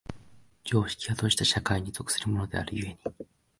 常識は閉じた社会に属するものである故に、